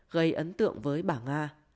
gây ấn tượng với bà nga